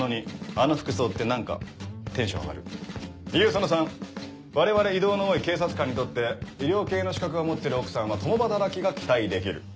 その３我々異動の多い警察官にとって医療系の資格を持ってる奥さんは共働きが期待できる。